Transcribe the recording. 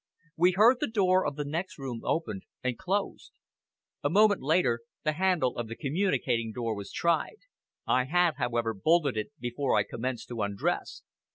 We heard the door of the next room opened and closed. A moment later the handle of the communicating door was tried. I had, however, bolted it before I commenced to undress.